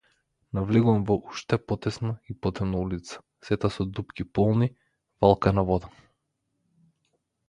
Навлегувам во уште потесна и потемна улица, сета со дупки полни валкана вода.